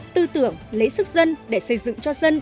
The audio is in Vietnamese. tư tưởng lấy sức dân để xây dựng cho dân